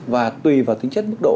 và tùy vào tính chất mức độ